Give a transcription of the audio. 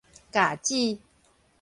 咬舌